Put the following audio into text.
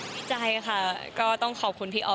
ประธานาคาก็ต้องขอบคุณพี่ออฟ